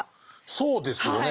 そうですよね。